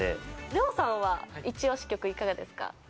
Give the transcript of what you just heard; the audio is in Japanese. レオさんは一押し曲はいかがですか？